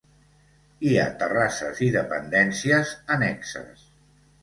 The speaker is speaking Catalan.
Hi ha terrasses i dependències annexes.